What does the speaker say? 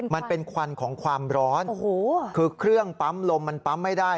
มันเป็นควันของความร้อนโอ้โหคือเครื่องปั๊มลมมันปั๊มไม่ได้